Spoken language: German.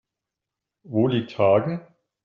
Wo liegt Hagen?